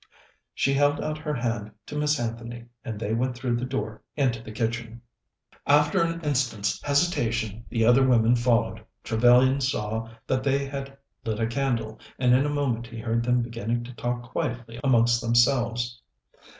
She held out her hand to Miss Anthony, and they went through the door into the kitchen. After an instant's hesitation, the other women followed. Trevellyan saw that they had lit a candle, and in a moment he heard them beginning to talk quietly amongst themselves.